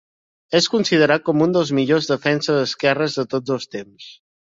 És considerat com un dels millors defenses esquerres de tots els temps.